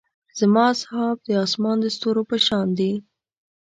زما اصحاب د اسمان د ستورو پۀ شان دي.